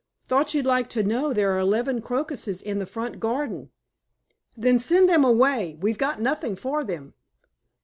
"Thought you'd like to know there's eleven crocuses in the front garden." "Then send them away we've got nothing for them."